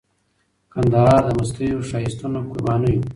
کندهار د مستیو، ښایستونو، قربانیو